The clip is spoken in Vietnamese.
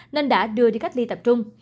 nên đã đưa đi cách ly tập trung